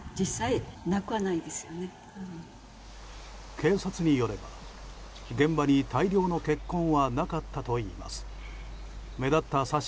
警察によれば現場に大量の血痕はなかったといいます。